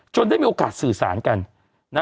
ได้มีโอกาสสื่อสารกันนะ